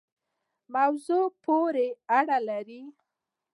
موضوع پوری اړه لری